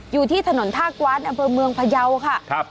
อยู่ที่ถนนทากว้านอเบิร์นเมืองพยาวค่ะครับ